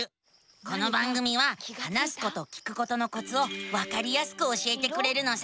この番組は話すこと聞くことのコツをわかりやすく教えてくれるのさ。